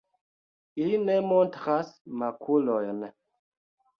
Ili ne montras makulojn.